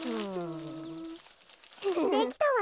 できたわ。